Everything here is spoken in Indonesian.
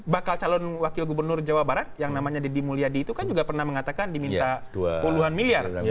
bakal calon wakil gubernur jawa barat yang namanya deddy mulyadi itu kan juga pernah mengatakan diminta puluhan miliar